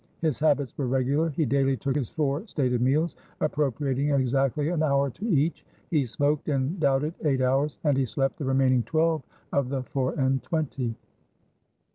His habits were regular. He daily took his four stated meals, appropriating exactly an hour to each; he smoked and doubted eight hours, and he slept the remaining twelve of the four and twenty.